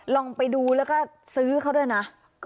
ลองไปดูแล้วก็ซื้อเขาด้วยนะ